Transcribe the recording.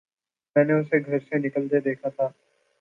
میں نے اسے گھر سے نکلتے دیکھا تھا